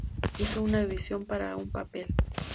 Hizo una audición para un papel.